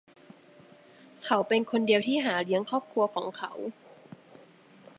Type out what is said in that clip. เขาเป็นคนเดียวที่หาเลี้ยงครอบครัวของเขา